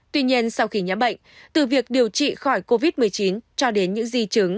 tuy nhiên sau khi nhắm bệnh từ việc điều trị khỏi covid một mươi chín cho đến những di chứng